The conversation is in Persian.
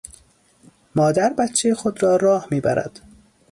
مادر بچهٔ خود را راه میبرد.